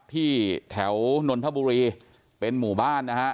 ที่แถวนนทบุรีเป็นหมู่บ้านนะฮะ